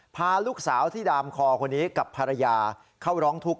พาลูกสาวที่ดามคอคนนี้กับภรรยาเข้าร้องทุกข์